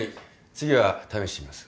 次は試してみます。